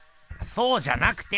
そうじゃなくて！